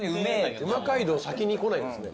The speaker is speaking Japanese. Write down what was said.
うま街道先にこないんですね。